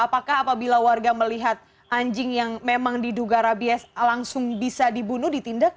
apakah apabila warga melihat anjing yang memang diduga rabies langsung bisa dibunuh ditindak